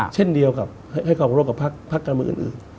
เช่นเดียวให้เขากับพรรคการเมืองอื่น